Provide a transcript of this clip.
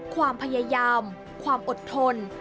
ความพยายามความอดทน